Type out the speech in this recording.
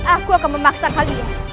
aku akan memaksa kalian